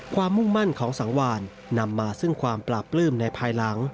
มุ่งมั่นของสังวานนำมาซึ่งความปราบปลื้มในภายหลัง